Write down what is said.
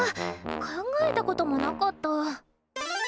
考えたこともなかった。